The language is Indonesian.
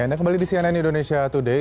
anda kembali di cnn indonesia today